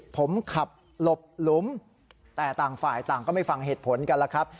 ผมขับหลบหลุมแต่ต่างฝ่ายต่างก็ไม่ฟังเหตุผลกันแล้วครับ